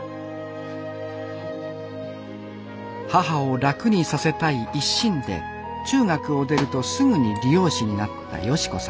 母を楽にさせたい一心で中学を出るとすぐに理容師になった美子さん